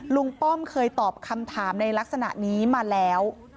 ป้อมเคยตอบคำถามในลักษณะนี้มาแล้ว